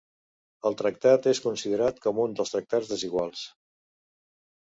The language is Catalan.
El tractat és considerat com un dels tractats desiguals.